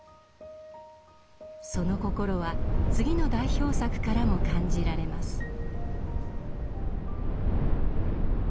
その心は次の代表作からも感じられます。